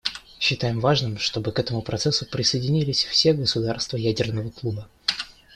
Считаем важным, чтобы к этому процессу присоединились все государства «ядерного клуба».